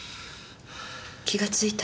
気がついた？